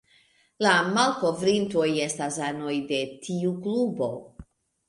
La malkovrintoj estas anoj de tiu klubo.